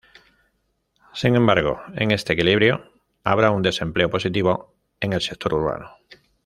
Sin embargo, en este equilibrio habrá un desempleo positivo en el sector urbano.